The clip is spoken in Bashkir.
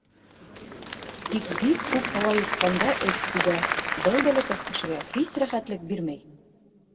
Тик бик күп һауа йотҡанда эс күбә, был бәләкәс кешегә һис рәхәтлек бирмәй.